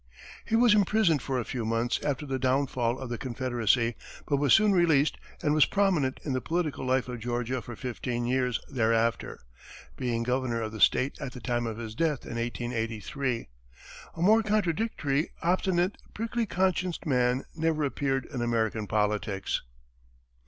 He was imprisoned for a few months after the downfall of the Confederacy, but was soon released and was prominent in the political life of Georgia for fifteen years thereafter, being governor of the state at the time of his death in 1883. A more contradictory, obstinate, prickly conscienced man never appeared in American politics.